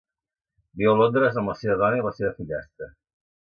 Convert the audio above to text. Viu a Londres amb la seva dona i la seva fillastra.